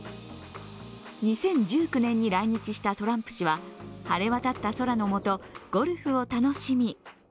２０１９年に来日したトランプ氏は晴れわたった空のもと、ゴルフを楽しみ。